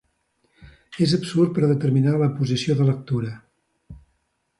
És absurd predeterminar la posició de lectura.